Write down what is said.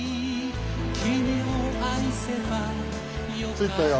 着いたよ。